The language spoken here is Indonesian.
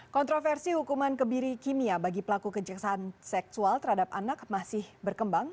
kontroversi hukuman kebiri kimia bagi pelaku kejahatan seksual terhadap anak masih berkembang